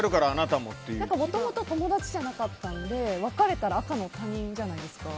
もともと友達じゃなかったので別れたら赤の他人じゃないですか。